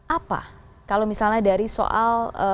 apa kalau misalnya dari soal